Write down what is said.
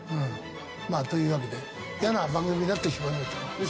まあというわけでイヤな番組になってしまいましたが。